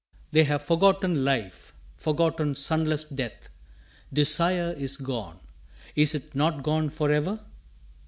They have forgotten life, Forgotten sunless death; Desire is gone is it not gone for ever?